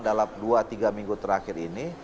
dalam dua tiga minggu terakhir ini